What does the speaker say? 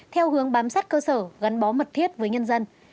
theo hướng bám sát cơ sở gắn bó mật thiết với nhân dân